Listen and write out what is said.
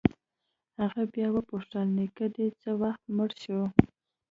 هغه بيا وپوښتل نيکه دې څه وخت مړ سو.